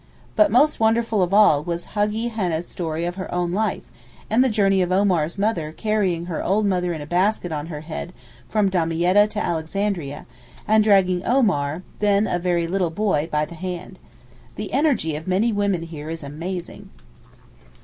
But most wonderful of all was Haggi Hannah's story of her own life, and the journey of Omar's mother carrying her old mother in a basket on her head from Damietta to Alexandria, and dragging Omar then a very little boy, by the hand. The energy of many women here is amazing.